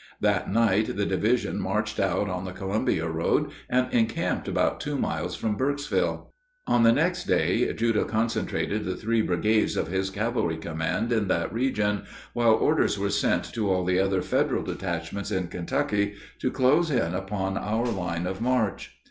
That night the division marched out on the Columbia road and encamped about two miles from Burkesville. On the next day Judah concentrated the three brigades of his cavalry command in that region, while orders were sent to all the other Federal detachments in Kentucky to close in upon our line of march.